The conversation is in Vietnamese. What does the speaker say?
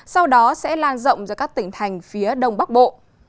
sau đó sẽ lan rộng ra các tỉnh thành phía đông bắc bộ